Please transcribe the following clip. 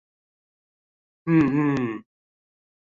嗯嗯